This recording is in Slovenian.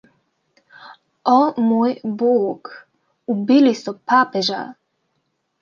O moj bog, ubili so papeža!